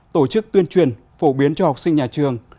tổ chức tuyên truyền phổ biến cho học sinh nhà trường